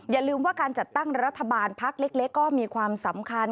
อย่าลืมว่าการจัดตั้งรัฐบาลพักเล็กก็มีความสำคัญ